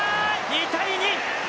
２対２！